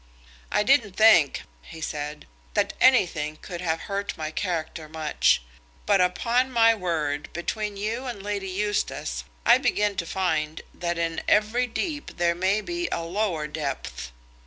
"I didn't think," he said, "that anything could have hurt my character much; but, upon my word, between you and Lady Eustace, I begin to find that in every deep there may be a lower depth.